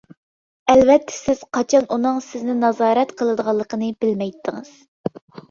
ئەلۋەتتە، سىز قاچان ئۇنىڭ سىزنى نازارەت قىلىدىغانلىقىنى بىلمەيتتىڭىز.